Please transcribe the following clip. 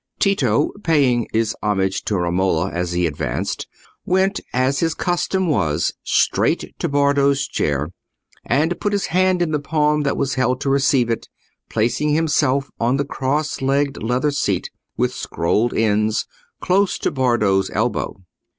Tito, paying his homage to Romola as he advanced, went, as his custom was, straight to Bardo's chair, and put his hand in the palm that was held to receive it, placing himself on the cross legged leather seat with scrolled ends, close to Bardo's elbow.